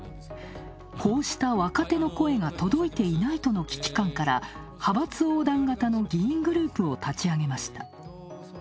こうした若手の声が届いていないという危機が派閥横断型の議員グループを立ち上げました。